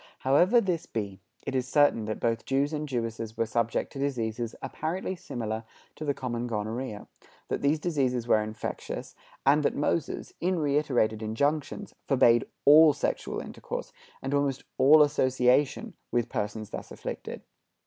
However this be, it is certain that both Jews and Jewesses were subject to diseases apparently similar to the common gonorrhoea; that these diseases were infectious; and that Moses, in reiterated injunctions, forbade all sexual intercourse, and almost all association, with persons thus afflicted.